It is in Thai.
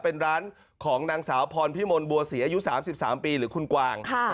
เป็นร้านของนางสาวพรพิมลบัวศรีอายุ๓๓ปีหรือคุณกวาง